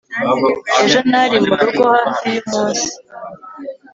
ejo nari murugo hafi yumunsi